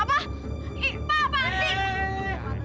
apa apaan sih